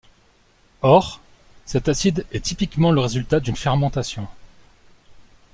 Or, cet acide est typiquement le résultat d'une fermentation.